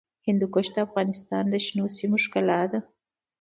هندوکش د افغانستان د شنو سیمو ښکلا ده.